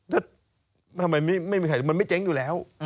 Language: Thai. แล้วทำไมไม่มีใครมันไม่เจ๊งอยู่แล้ว